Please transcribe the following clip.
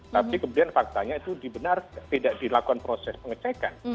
tapi kemudian faktanya itu dibenar tidak dilakukan proses pengecekan